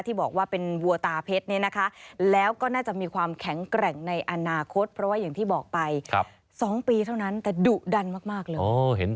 ที่บอกว่าเป็นวัวตาเพชรเนี่ยนะคะแล้วก็น่าจะมีความแข็งแกร่งในอนาคตเพราะว่าอย่างที่บอกไป๒ปีเท่านั้นแต่ดุดันมากเลย